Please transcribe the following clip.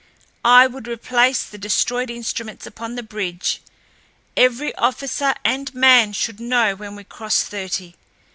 I would replace the destroyed instruments upon the bridge; every officer and man should know when we crossed thirty.